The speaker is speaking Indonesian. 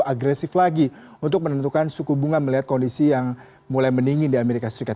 agresif lagi untuk menentukan suku bunga melihat kondisi yang mulai mendingin di amerika serikat